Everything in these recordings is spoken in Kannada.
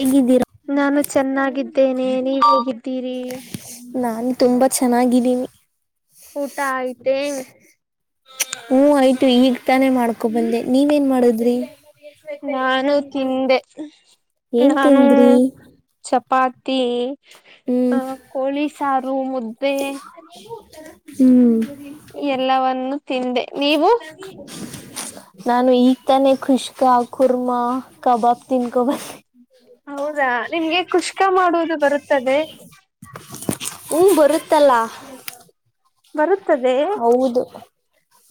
ಹೇಗಿದ್ದೀರಾ ನಾನು ಚೆನ್ನಾಗಿದ್ದೇನೆ ನೀವ ಹೋಗಿದ್ದೀರಿ ನಾನ್ ತುಂಬಾ ಚೆನ್ನಾಗಿದ್ದೀನಿ ಊಟ ಆಯ್ತೆ ಹ ಐದು ು ಈಗ ತಾನೇ ಮಾಡ್ಕೊಬಂದೆ ನೀವೇನ್ ಮಾಡುದ್ರಿ ನಾನು ತಿಂದೆ ಏನ್ ನಾನು ತನ್್ರಿ ಚಪಾತಿ ಅ ಹ್ಮ್ ಕೋಳಿ ಸಾರು ಮುದ್ದೆ ಹ್ಮ್ ಎಲ್ಲವನ್ನು ತಿಂದೆ ನೀವು [inaudible] ನಾನು ಈಗ ತಾನೇ ಖುಷ್ಕ ಕುರ್ಮಾ ಕಬಾಬ್ ತಿನ್ಕೊ ಬಂದ್ [inaudible] ನಿಮ್ಗೆ ಕುಷ್ಕ ಮಾಡುವುದು ಬರುತ್ತದೆ ಹುಂ ಬರುತ್ತಲ್ಲ [inaudible] ಬರುತ್ತದೆ ಹೌದು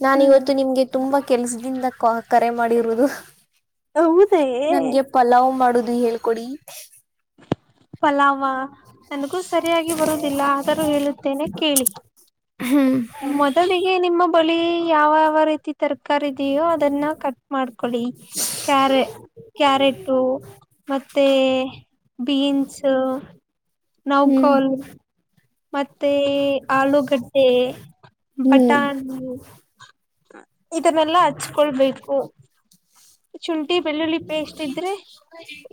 ನಾನ ಹ್ಮ್ ಇವತ್ತು ನಿಮ್ಗೆ ತುಂಬಾ ಕೆಲ್ಸದಿಂದ ಕರೆ ಮಾಡಿರುವುದು ಹೌದೇ ನನ್ಗೆ ಪಲಾವ್ ಮಾಡುದು ಹೇಳ್ಕೊಡಿ [inaudible] ಪಲಾಮ ನನ್ಗೂ ಸರಿಯಾಗಿ ಬರುದಿಲ್ಲ ಆದರೂ ಹೇಳುತ್ತೇನೆ ಕೇಳಿ ಹ್ಮ್ ಮೊದಲಿಗೆ ನಿಮ್ಮ ಬಳಿ ಯಾವಾವ ರೀತಿ ತರಕಾರಿ ಇದಿಯೋ ಅದನ್ನ ಕಟ್ ಮಾಡ್ಕೋಳಿ ಕ್ಯಾ ಕ್ಯಾರಟ್ ಟ ಮತ್ತೆ ಬೀನ್ಸ್ ಹ್ಮ ನೌಕೋಲ್ ಮತ್ತೆ ಆಲೂಗಡ್ಡೆ ಆಲೂಗೆಡ್ಡೆ ಬಟಾಣಿ ಹ್ಮ ಇದನ್ನೆಲ್ಲಾ ಹಚ್ಕೊಳ್ಬೇಕು ಶುಂಠಿ ಬೆಳ್ಳುಳ್ಳಿ ಪೇಸ್ಟ್ ಇದ್ರೆ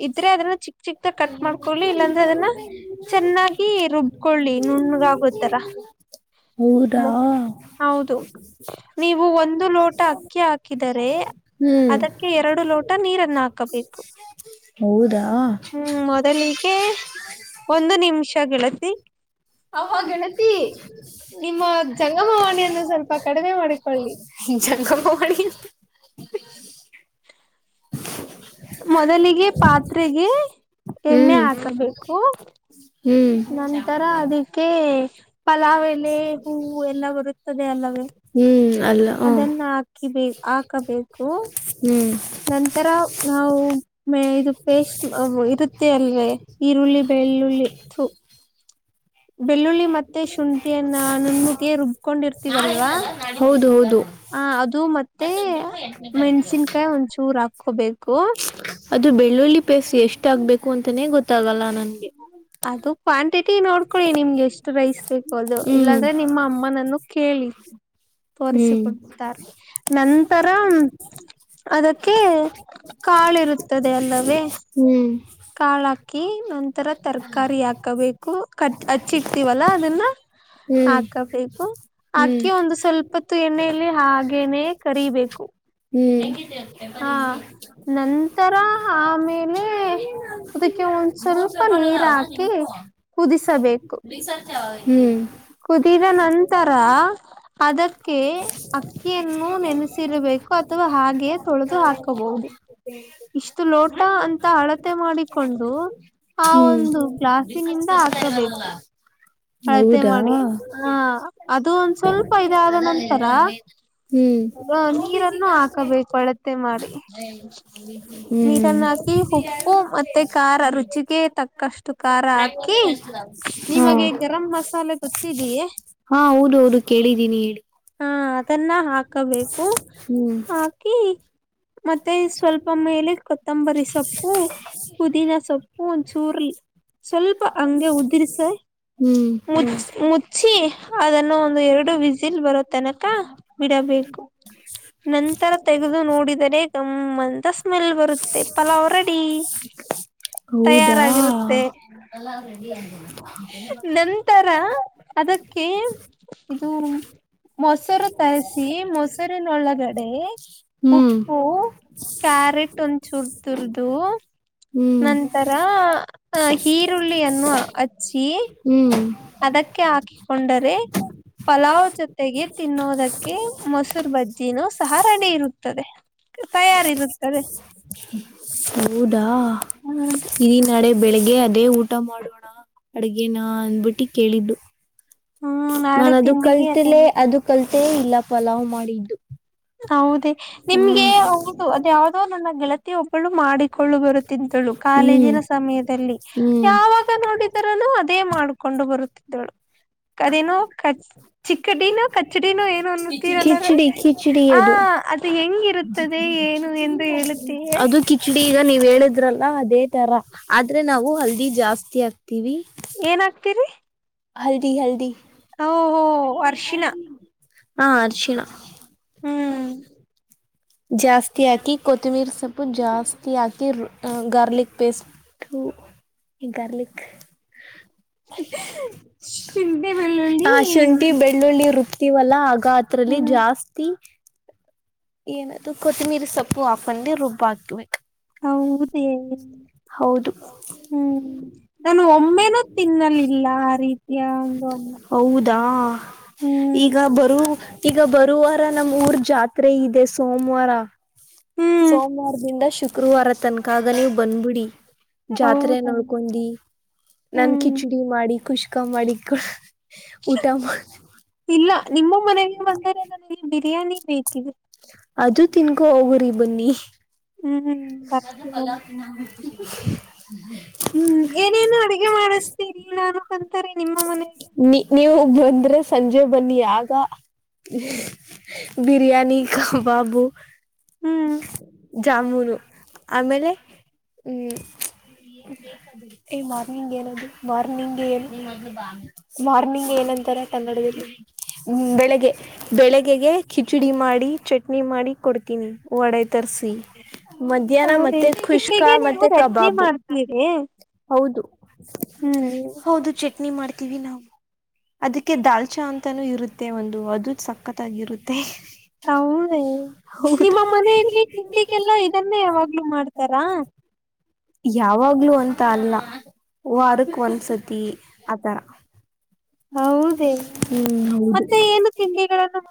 ಇದ್ರೆ ಅದನ್ನ ಚಿಕ್ ಚಿಕ್ದಾಗ ಕಟ್ ಮಾಡ್ಕೊಳ್ಳಿ ಇಲ್ಲಾಂದ್ರೆ ಅದನ್ನ ಚೆನ್ನಾಗಿ ರುಬ್ಕೊಳ್ಳಿ ನುಣಗಾಗೋತರ ಹೌದಾ ಹೌದು ನೀವು ಒಂದು ಟ್ಟ ಅಕ್ಕಿ ಹಾಕಿದರೆ ಹ್ಮ್ ಅದಕ್ ಎರಡು ಲೋಟ ನೀರನ್ನು ಹಾಕಬೇಕು ಹೌದಾ ಹ್ಮ್ ಮೊದಲಿಗೆ ಒಂದು ನಿಮಿಷ ಗೆಳತಿ ಅವ ಗಣತಿ ನಿಮ್ಮ ಜಂಗಮವ ಅನ್ನು ಸ್ವಲ್ಪ ಕಡಿಮೆ ಮಾಡಿತ್ತು ಜಂಗಮ ಮಾಡಿ ಮೊದಲಿಗೆ ಪಾತ್ರೆಗೆ ಎಣ್ಣೆ ಹ್ಮ್ ಹಾಕಬೇಕು ಹ್ಮ್ ನಂತರ ಅದಕ್ಕೆ ಪಲಾವೆಲೆ ಹೂವು ಎಲ್ಲ ಬರುತ್ತದೆ ಅಲ್ಲವೇ ಹ್ಮ್ ಅಲ್ಲ ಹ ಅದನ್ನು ಹಾಕಿಬ ಹಾಕಬೇಕು ಹ್ಮ್ ನಂತರ ನಾವು ಮ ಇದು ಪೇಸ್ಟ್ ಇರುತ್ತೆ ಅಲ್ವೇ ಈರುಳ್ಳಿ ಬೆಳ್ಳುಳ್ಳಿ ತ್ತು ಬೆಳ್ಳುಳ್ಳಿ ಮತ್ತೆ ಶುಂಠಿಯನ್ನ ನುಣ್ಣಗೆ ರುಬ್ಕೊಂಡಿರ್ತೀವಲ್ವಾ ಹೌದು ಹೌದು ಹ ಅದು ಮತ್ತೆ ಮೆಣಸಿನ್ಕಾಯಿ ಒಂಚೂರ್ ಹಾಕೋಬೇಕು. ಅದು ಬೆಳ್ಳುಳ್ಳಿ ಪೇಸ್ಟ್ ಎಷ್ಟ ಆಗ್ಬೇಕು ಅಂತಾನೇ ಗೊತ್ತಾಗಲ್ಲ ನಂಗೆ ಅದು ಕ್ವಾಂಟಿಟಿ ನೋಡ್ಕೊಳ್ಳಿ ನಿಮ್ಗೆ ಎಷ್ಟು ರೈಸ್ ಬೇಕು ಅದು ಹ್ಮ್ ಇಲ್ಲಾಂದ್ರೆ ನಿಮ್ಮ ಅಮ್ಮನನ್ನು ಕೇಳಿ ಹ್ಮ್ ತೋರಿಸಿಕೊಡ್ತಾರೆ ನಂತರ ಅದಕ್ಕೆ ಕಾಳಿರುತ್ತದೆ ಅಲ್ಲವೇ ಕಾಳ ಹ್ಮ್ ಹಾಕಿ ನಂತರ ತರಕಾರಿ ಹಾಕಬೇಕು ಕ ಹಚ್ಚಿಡ್ತೀವಲ್ಲ ಅದನ್ನ ಹ್ಮ್ ಹಾಕಬೇಕು ಹಾಕಿ ಒಂದು ಸ್ವಲ್ಪತ್ತು ಎಣ್ಣೆಯಲ್ಲಿ ಹಾಗೇನೆ ಹ್ಮ್ ಕರಿಬೇಕು ಹ್ಮ್ ಹಾ ನಂತರ ಆಮೇಲೆ ಕ್ಕೆ ಒಂದ್ ಸ್ವಲ್ಪ ನೀರ್ ಹಾಕಿ ಕುದಿಸಬೇಕು ಹ್ಮ್ ಕುದಿದ ನಂತರ ಅದಕ್ಕೆ ಅಕ್ಕಿಯನ್ನು ನೆನೆಸಿರಬೇಕು ಅಥವಾ ಹಾಗೆ ಇಷ್ಟು ಲೋಟ ಅಂತ [inaudible] ಅಳತೆ ಮಾಡಿಕೊಂಡು ಆ ಒಂದು ಹ್ಮ್ ಗ್ಲಾಸಿನಿಂದ ಹಾಕಬೇಕು ಅಳತೆ ಮಾಡಿ [unintelligible] ಹಾ ಅದು ಒಂದ್ ಸ್ವಲ್ಪ ಇದಾದ ನಂತರ ಹೌದಾ ಅ ನೀರನ್ನು ಹಾಕಬೇಕು ಹ್ಮ್ ಅಳತೆ ಮಾಡಿ ಹ್ಮ್ ನೀರನ್ನ ಹಾಕಿ ಉಪ್ಪು ಮತ್ತೆ ಖಾರ ರುಚಿಗೆ ತಕ್ಕಷ್ಟು ಖಾರ ಹಾಕಿ ಹಾಂ ನಿಮಗೆ ಗರಂ ಮಸಾಲೆ ಗೊತ್ತಿದೆಯೇ ಹಾ ಹೌದ ಹೌದು ಕೇಳಿದ್ದೀನಿ ಹೇಳಿ ಹ ಅದನ್ನ ಹಾಕಬೇಕು ಹ್ಮ್ ಹಾಕಿ ಮತ್ತೆ ಸ್ವಲ್ಪ ಮೇಲೆ ಮಲಿ ಕೊತ್ತಂಬರಿ ಚ ಸೊಪ್ಪು ಪುದೀನ ಸೊಪ್ಪು ಒಂಚೂರು ಕುದ ಸೊಪ್ಪು ಸರಿ ಮುಚ್ಚ ಮುಚ್ಚಿ ಅದನ್ನು ಒಂದು ಎರಡು ವಿಸಿಲ್ ಬರೋ ತನಕ ಬಿಡಬೇಕೇು ನಂತರ ತೆಗೆದು ನೋಡಿದರೆ ಗಮ್ಮಂತ ಸ್ಮೆಲ್ ಬರುತ್ತೆ ಪಲಾವ್ ರಡಿ ಹೌದಾ ನಂತರ ಅದಕ್ಕೆ ಇದು ಮೊಸೂರು ಮೊಸರು ತರಿಸಿ ಕಳಸ್ನಿ ಮೊಸೂರು ಮೊಸರಿನೊಳಗಡೆ ಉಪ್ಪು ಮಾಡ ಹ್ಮ್ ಕ್ಯಾರೆಟ್ ಒಂದ್ ಚೂರ್ ತುರ್ದು ನಂತರ ಅ ಈರುಳ್ಳಿಯನ್ನು ಹಚ್ಚಿ ಹ್ಮ್ ಅದಕ್ಕೆ ಹಾಕಿಕೊಂಡರೆ ಪಲಾವ್ ಜೊತೆಗೆ ತಿನ್ನೋದಕ್ಕೆ ಮೊಸರು ಬಜ್ಜಿನೂ ಸಹ ರೆಡಿ ಇರುತ್ತ ತಯಾರಿರುತ್ತದೆ ಹೌದು ಇ ನಾಳೆ ಬೆಳಿಗ್ಗೆ ಅದೇ ಊಟ ಮಾಡೋಣ ಅಡ್ಗೇನಾ ಅಂದ್ಬಿಟ್ಟಿ ಕೇಳಿದ್ದು ಹ್ಮ್ ನಾಳೆ ನಾನ ಅದು ತಿಂಡಿಗೆ ಕಲ್ತಿಲೆ ಅದನ್ನು ಅದು ಕಲ್ ಮತ್ತೆ ಇಲ್ಲ ಪಲಾವ್ ಮಾಡಿದ್ದು ಹೌದ ಹ್ಮ್ ಹೌದು ಅದ ಯಾವ್ದೋ ನನ್ನ ಗೆಳತಿ ಒಬ್ಬಳು ಮಾಡಿಕೊಳ್ಳು ಬರು ತಿಂತಳು ಹ್ಮ್ ಕಾಲೇಜಿನ ಸಮಯದಲ್ಲಿ ಯಾವಾಗ ಹ್ಮ್ ನೋಡಿದರನುೂ ಅದೇ ಮಾಡಕೊಂಡು ಬರುತ್ತಿದ್ದಳು ಅದೇನೋ ಕ ಚಿಕ್ಕಡಿನೋ ಕಚ್ಚಡಿನೋ ಏನು ಅನ್ನತೀರಲ್ಲಾರ ಚಿರಿ ಯದು ಏನು ಎಂದು ಹೇಳುತ್ತೀಯೇ ಅದು ಕಿಚಡಿ ಈಗ ನೀವ್ ಹೇಳಿದ್ರಲ್ಲ ಅದೇ ತರ ಆದ್ರೆ ನಾವು ಹಲ್ದಿ ಜಾಸ್ತಿ ಹಾಕ್ತಿವಿ ಏನಾಗ್ತಿರಿ ಹಲ್ದಿ ಹಲ್ದಿ ಓಹೋ ಅರ್ಶಿನ ಹಾ ಅರ್ಶಿನಾ ಹ್ಮ್ ಜಾಸ್ತಿ ಹಾಕಿ ಕೊತ್ತಂಬಿರಿ ಸೊಪ್ಪು ಜಾಸ್ತಿ ಹಾಕಿ ಗಾರ್ಲಿಕ್ ಪೇಸ್ಟ್ ತ ಈ ಗಾರ್ಲಿಕ್ [inaudible] ಬೆಳ್ಳುಳ್ಳಿ ಆ ಶುಂಠಿ ಬೆಳ್ಳುಳ್ಳಿ ರುಬ್ಕ್ತೀವಲ್ಲ ಆಗ ಅತ್ರರಲ್ಲಿ ಹ್ಮ್ ಜಾಸ್ತಿ ಏನದು ಕೊತ್ತಂಬಿರಿ ಸೊಪ್ಪು ಹಾಕೊಂಡೆ ರುಬ್ಬ ಹಾಕ್ಬೇಕ ಹೌದೇ ಹೌದು ಹ್ಮ್ ನಾನು ಒಮ್ಮೆನೂ ಒನೂ ತಿನ್ನಲಿಲ್ಲ ತಿಂಲ್ಲ ಆ ರೀತಿಯ ಒಂದು ರ ಅನ್ನ ಹೌದಾ ಈಗ ಹ್ಮ್ ಬರುವ ಈಗ ಬರುವಾರ ನಮ ಊರ್ ಜಾತ್ರೆ ಇದೆ ಸೋಮವಾರ ಹ್ಮ್ ಸೋಮವಾರದಿಂದ ಶುಕ್ರವಾರ ತನಕಾಗ ನೀವು ಬಂದ್ಬಿಡಿ ಜಾತ್ರೆ ಹೌದಾ ನೋಡ್ಕೊಂಡಿ ನನ್ ಹ್ಮ್ ಕಿಚಡಿ ಮಾಡಿ ಕುಷ್ಕಾ ಮಾಡಿ ಊಟ ಮಾಡ ಇಲ್ಲ ನಿಮ್ಮ ಮನೆಗೆ ಬಂದರೆ ನನಗೆ ಬಿರಿಯಾನಿ ಬೇಕಿದೆ ಅದು ತಿನ್ಕೊ ಹೋಗುರಿ ಬನ್ನಿ ಹ್ಮ್ ಹ್ಮ್ಲ್ಮ ಬರ್ತೀನಿ ಹ್ಮ್ ಏನ ಏನೇನು ಅಡಗೆ ಮಾಡಿಸ್ತೀರಿ ನಾನು ಅಂತಾರೆ ನಿಮ್ಮ ಮನೆಯಲ್ಲಿ ನೀ ನೀವು ಬಂದ್ರೆ ಸಂಜೆ ಬನ್ನಿ ಆಾಗ ಬಿರಿಯಾನಿ ಬಾಬು ಹ್ಮ್ ಜಾಮೂರು ಆಮೇಲೆ ಹ್ಮ್ ಏ ಮಾರ್ನಿಂಗ್ ಏನದು ಮಾರ್ನಿಂಗ್ ಏನು ಮಾರ್ನಿಂಗ್ ಏನಂತ ರ ಕನ್ನಡದಲ್ಲಿ ಬೆಳಿಗ್ಗೆ ಬೆಳಿಗ್ಗೆ ಕಿಚಡಿ ಮಾಡಿ ಚಟ್ನಿ ಮಾಡಿ ಕೊಡ್ತೀನಿ ವಡೆ ತಸಿ ಮಧ್ಯಾಹ್ನ ಹೌದೇ ಮತ್ತೆ ಕುಷ್ಕಾ ಕಿಚೆಗೆ ನೀವು ಮತ್ತೆ ಚಟ್ನಿ ಕಬಾಬು ಮಾಡ್ತೀರಿ ಹೌದು ಹ್ಮ್ ಹೌದು ಚಟ್ನಿ ಮಾಡ್ತೀವಿ ನಾವು ಅದಕ್ಕೆ ದಾಲ್ಚಾ ಅಂತಾನೂ ಇರುತ್ತೆ ಒಂದು ಅದು ಸಕ್ಕತ್ತಾಗಿರುತ್ತೆ [unintelligible] ನಿಮ್ಮ ಮನೆಯಲ್ಲಿ ತಿಂಡಿಗೆಲ್ಲ ಇದನ್ನೇ ಯಾವಾಗ್ಲೂ ಮಾಡ್ತಾರಾ ಯಾವಾಗ್ಲು ಅಂತ ಅಲ್ಲಾ ಓ ಅದಕ್ಕ ಒಂದ್ ಸತಿ ಆತರ ಹೌದೇ ಹ್ಮ ಹೌದು ಮತ್ತೆ ಏನು ತಿಂಡಿಗಳನ್ನು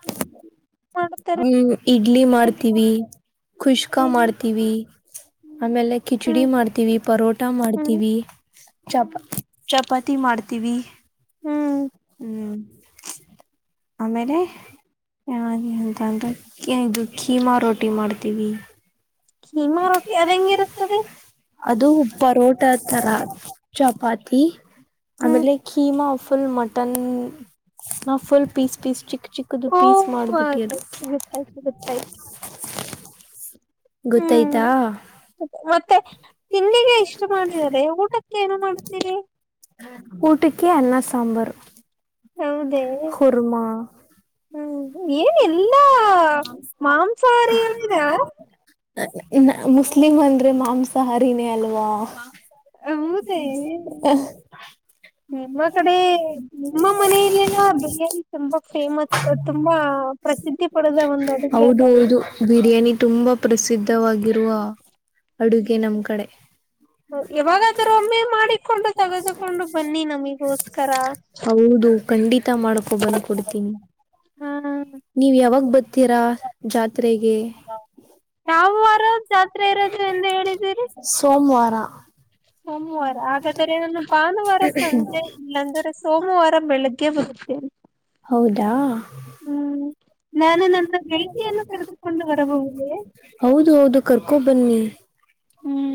ಮಾಡುತ್ತಾರೆ ಹ್ಮ್ ಇಡ್ಲಿ ನಿಮ್ಮ ಮಾಡ್ತೀವಿ ಖುಷ್ಕಾ ಮನೆಯಲ್ಲಿ ಮಾಡ್ತೀವಿ. ಆಮೇಲೆ ಕಿಚಡಿ ಹ್ಮ್ ಮಾಡ್ತೀವಿ, ಪರೋಟಾ ಹ್ಮ್ ಮಾಡ್ತೀವಿ, ಚಪಾ ಚಪಾತಿ ಮಾಡ್ತೀವಿ ಹ್ಮ್ ಹ್ಮ್ ಆಮೇಲೆ ಯ ಇದು ಖೀಮಾ ರೋಟಿ ಮಾಡ್ತೀವಿ ಕೀ ಮಾ ರೊ ಅದು ಹೆಂಗಿರುತ್ತದೆ. ಅದು ಪರೋಟಾ ತರ ಚಪಾತಿ ಹ್ಮ್ ಆಮೇಲೆ keema full mutton full piece piece ಚಿಕ್ ಚಿಕ್ಕದು ಓ ಪೀಸ್ ಮಾಡಿಬಿಟ್ಟಿಯದು, ಗೊತ್ತಾಯ್ತು ಗೊತ್ತಾಯ್ತು ಗೊತ್ತಾಯ್ತು ಹ್ಮ್ ಗೊತ್ತಾಯ್ತಾ, ಮತ್ತೆ ತಿಂಡಿಗೆ ಇಷ್ಟು ಮಾಡಿದರೆ ಊಟಕ್ಕೆ ಏನ ಮಾಡುತ್ತೀರಿ ಊಟಕ್ಕೆ ಅನ್ನ, ಸಾಂಬಾರು, ಹೌದೇ ಕುರ್ಮಾ, ಹ್ಮ್ ಏನ ಎಲ್ಲಾ ಮಾಂಸಾಹಾರಿಗಳು ಇದೆ ಮುಸ್ಲಿಮ ಅಂದ್ರೆ ಮಾಂಸಾಹಾರನೇ ಅಲ್ವಾ [unintelligible] ಹೌದೇ ನಮ್ಮ ಕಡೆ ನಿಮ್ಮ ಮನೆಯಲ್ಲೆಲ್ಲ ಬಿರಿಯಾನಿ ತುಂಬಾ ಫೇಮಸ್ ತುಂಬಾ ಎ ಪ್ರಸಿದ್ಧಿ ಪಡೆದ ಒಂದು ಅಡುಗೆ ಹೌದು ಅಲ್ಲ ಇದು ಹೌದು ಬಿರಿಯಾನಿ ತುಂಬಾ ಪ್ರಸಿದ್ಧವಾಗಿರುವ ಅಡುಗೆ ನಮ್ ಕಡೆ ಯಾವಾಗಾದರೂ ಒಮ್ಮೆ ಮಾಡಿಕೊಂಡು ತೆಗೆದುಕೊಂಡು ಬನ್ನಿ ನಮಗೋಸ್ಕರ ಹೌದು ಅದು ಖಂಡಿತ ಮಾಡ್ಕೊ ಬಂದ್ ಕೊಡ್ತೀನಿ ಹಾ ನೀವ ಯಾವಾಗ ಬರ್ತೀರಾ ಜಾತ್ರೆಗೆ ಯಾವ ವಾರ ಜಾತ್ರೆ ಇರತ್ತೆ ಅಂತ ಹೇಳಿದ್ದೀರಿ [unintelligible] [unintelligible] ಸೋಮವಾರ ಹಾಗಾದ್ರರೆ ನಾನು ಭಾನುವಾರ ಸಂಜೆ ಇಲ್ಲಾಂದ್ರೆ ಸೋಮವಾರ ಬೆಳಿಗ್ಗೆ ಬರುತ್ತೇನೆ ಹೌದಾ ಹ್ಮ್ ನಾನು ನನ್ನ ಗೆಳತಿಯನ್ನು ಕರೆದುಕೊಂಡು ಬರಬಹುದೇ ಹೌದು ಹೌದು ಕರ್ಕೋ ಬನ್ನಿ ಹ್ಮ್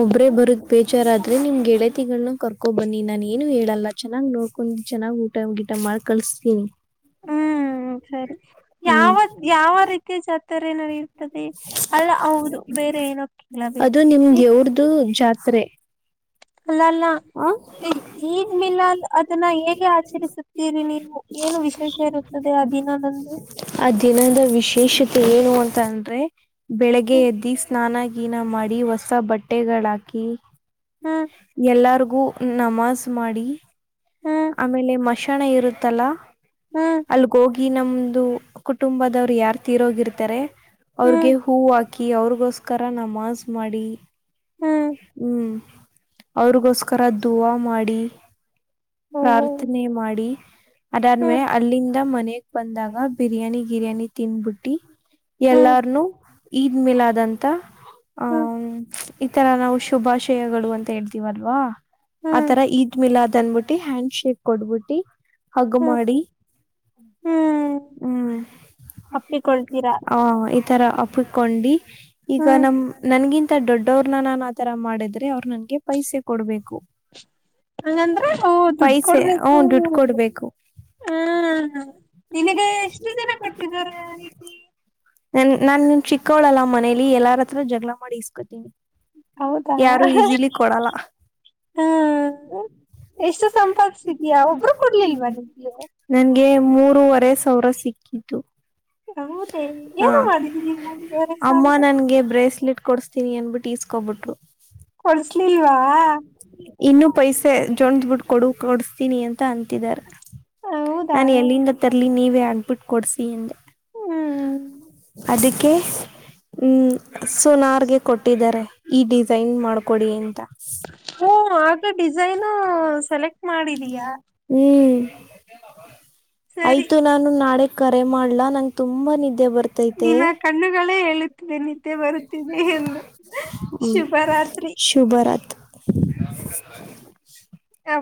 ಒಬ್ರೇ ಬರದ್ ಬೇಜಾರಾದ ನಿಮ್ ಗೆಳತಿನ್ನ ಕರ್ಕೊ ಬನ್ನಿ ನಾನ ಏನು ಹೇಳಲ್ಲ ಚೆನ್ನ್ ನೋಡ್ಕೊಂಡು ಚೆನ್ನಾಗಿ ಊಟ ಗಿಟ ಮಾಡಿ ಕಳ್ ಹೂ ಹ್ಮ್ ಸರಿ ಯಾವ ಹ್ಮ್ ಯಾವ ರೀತಿಯ ಜಾತ್ರೆ ನಡೆಯತದೆ ಅಲ್ಲ ಹೌದು ಬೇರೆ ಏನೋ ಕೇಳಬೇಕು. ಅದು ನಿಮ ದೇವ್ರದು ಜಾತ್ರೆ ಅಲ್ಲ ಅಲ್ಲ ಈದ್ ಮಿಲಾದ್ ಅದನ್ನ ಹೇಗೆ ಆಚರಿಸುತ್ತೀರಿ ನೀವು? [unintelligible] ಏನು ವಿಶೇಷ ಇರುತ್ತದೆ ಆ ದಿನದಂದು? ಆ ದಿನದ ವಿಶೇಷತೆ ಏನು ಅಂತ ಅಂದ್ರೆ, ಬೆಳಗ್ಗೆ ಹ್ಮ್ ಎದ್ದಿ ಸ್ನಾನ ಗೀನ ಮಾಡಿ ಹೊಸ ಬಟ್ಟೆಗಳಾಕಿ ಹ್ಮ್ ಎಲ್ಲಾರ್ಗೂ ನಮಾಜ್ ಮಾಡಿ ಹ್ಮ್ ಆಮೇಲೆ ಮಶಾಣ ಇರುತ್ತಲ್ಲ ಹ್ಮ್ ಅಲ್ ಗೋಗಿ ನಮ್ದು ಕುಟುಂಬದವರು ಯಾರ್ ತೀರೋಗಿರ್ತಾರೆ ಅವ್ರಿಗೆ ಹ್ಮ್ ಹೂ ಹಾಕಿ ಅವ್ರಿಗೋಸ್ಕ ಯಸ್ಕರ ನಮಾಜ್ ಮಾಡಿ, ಹ್ಮ್ ಹ್ಮ್ ಅವ್ರಿಗೋಸ್ಕರ ಧುವಾ ಮಾಡಿ ಹ್ಮ್ ಪ್ರಾರ್ಥನೆ ಮಾಡಿ ಅದನ್ ಹ್ಮ್ ಅಲ್ಲಿಂದ ಮನೆಗ್ ಬಂದಾಗ ಬಿರಿಯಾನಿ ಗಿರಯಾನಿ ತೀನ್ ಬುಟ್ಟಿ ಹ್ಮ್ ಎಲ್ಲಾರ್ನುೂ ಈದ್ ಮಿಲಾದ್ಂತ ಆ ಹ್ಮ್ ಈತರ ನಾವು ಶುಭಾಶಯಗಳು ಅಂತ ಹೇಳ್ತಿೀವಲ್ವಾ ಹ್ಮ್ ಆತರ ಈದ್ ಮಿಲಾದ್ ಅನ್ಬಿಟ್ಟ ಹ್ಯಾಂಡ್ ಶೇಕ್ ಕೊಡ್ಬಿಟ್ಟಿ ಹಗ್ಗ ಹ್ಮ್ ಮಾಡಿ ಹ್ಮ್ ಹ್ಮ್ ಅಪ್ಪಿಕೊಳ್ತೀರಾ ತರ ಅಪ್ಕೊಂಡಿ ಈಗ ಹ್ಮ್ ನಮ ನನ್ಗಿಂತ ಮ ದೊಡ್ಡವ್ರನ್ನ ನಾನು ಆತರ ಮಾಡಿದ್ರೆ ಅವ್ರು ನನ್ಗೆ ಪೈಸೆ ಕೊಡ್ಬೇಕು ಹಂಗಂದ್ರೆ ನವು ದುಡ್ಡು ಪೈಸೆ ಹ್ಮ ಕೊಡ್ಬೇಕು ದುಡ್ಡು ಕೊಡ್ಬೇಕು ಹಾ ನಿನಗೆ ಎಷ್ಟು ಜನ ಕೊಟ್ಟಿದಿದ್ದಾರೆ ಆ ರೀತಿ ನ ನಾನ್ ಚಿಕ್ಕೋಳಲ್ಲ ಮನೇಲಿ ಎಲ್ಲಾರ ಹತ್ರ ಜಗಳ ಮಾಡಿ ಇಸ್ಕೋತೀನಿ ಹೌದಾ ಹ್ಮ ನಿಮ್ಗೆ ನಗೆ ಮೂ ನೂವರೆ ಸಾವಿರ ಸಿಕ್ಕಿದ್ದು ಹೌದೇ ಹ ಏನು ಮಾಡಿದೀರಿ ಮೂರವರೆ ಅಮ್ಮ ಸಾವಿರ ನನ್ಗೆ ಬ್ರೇಸ್ಲೆಟ್ ಕೊಡ್ಸ್ತ ಯ ಅನ್ಬಿಟ್ಟು ಈಸ್ಕೋಬಿಟ್ರು ಕೊಡ್ಸ್ಲಿಲ್ವಾ ಇನ್ನುೂ ಪೈಸೆ ಚೊಂಡ್ ಬಿಟ್ಟ ಕೊಡು ಕೊಡಿಸತೀನಿ ಅಂತ ಅಂತಿದಿದ್ದಾರೆ ಹೌದಾ ನಾನು ಎಲ್ಲಿಂದ ತರ್ಲಿ ನೀವೇ ತಂದ್ಬಿಟ್ಟು ಕೊಡಸಿ ಅಂದೆ ಹ್ಮ್ ಅದಕ್ಕೆ ಹ್ಮ್ ಸುನಾರ್ಗೆ ಕೊಟ್ಟಿದ್ದಾರೆ ಈ ಡಿಸೈನ್ ಮಾಡ್ಕೊಡಿ ಎಂತ ಓ ಆಗ ಡಿಸೈನು ಸೆಲೆಕ್ಟ್ ಮಾಡಿದೀಯ ಹ್ಮ್ ಸರಿ ಆಯ್ತು ನಾನು ನಾಳೆ ಕರೆ ಮಾಡ್ಲಾ ನಂ ತುಂಬಾ ನಿದ್ದೆ ಬ ನಿಿನ ಕಣ್ಣುಗಳೇ ಹೇಳುತ್ತ ಶುಭರ ಶುಭರಾತ್ರಿ. ರಾತ್ರಿ ಹತ್ತು ಹ